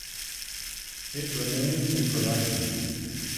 It remains in production.